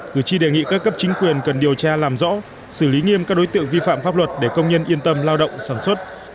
cử tri đề nghị các cấp chính quyền cần điều tra làm rõ xử lý nghiêm các đối tượng vi phạm pháp luật để công nhân yên tâm lao động sản xuất